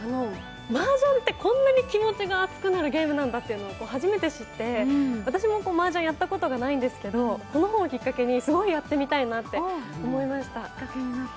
マージャンってこんなに気持ちが熱くなるゲームなんだっていうのを初めて知って、私もマージャンやったことがないんですけど、この本をきっかけにすごいやってみたいと思いました。